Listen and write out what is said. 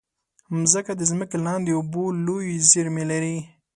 مځکه د ځمکې لاندې اوبو لویې زېرمې لري.